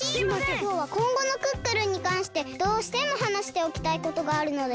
きょうはこんごのクックルンにかんしてどうしてもはなしておきたいことがあるのです。